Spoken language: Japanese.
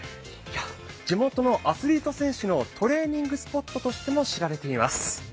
地元のアスリート選手のトレーニングスポットとしても知られています。